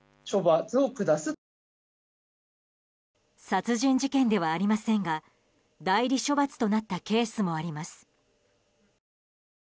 殺人事件ではありませんが代理処罰となったケースもあります。